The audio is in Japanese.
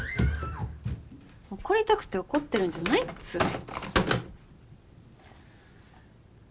怒りたくて怒ってるんじゃないっつうの。